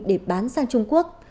để bán sang trung quốc